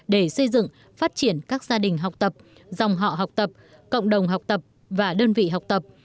để xây dựng phát triển các gia đình học tập dòng họ học tập cộng đồng học tập và đơn vị học tập